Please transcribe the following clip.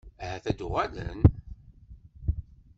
Ahat ad d-uɣalen?